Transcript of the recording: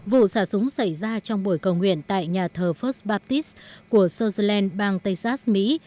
vụ xả súng xảy ra trong buổi cầu nguyện tại nhà thờ first baptist của sutherland bang texas mỹ